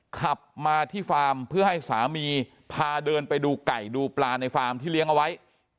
ขับมาที่ฟาร์มเพื่อให้สามีพาเดินไปดูไก่ดูปลาในฟาร์มที่เลี้ยงเอาไว้